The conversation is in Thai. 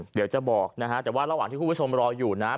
เดี๋ยวจะบอกนะฮะแต่ว่าระหว่างที่คุณผู้ชมรออยู่นะครับ